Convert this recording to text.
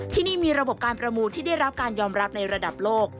ที่นี่มีระบบการประมูลที่ได้รับการยอมรับในระดับโลก